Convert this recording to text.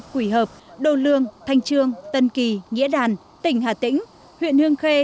quỷ hợp đô lương thanh trương tân kỳ nghĩa đàn tỉnh hà tĩnh huyện hương khê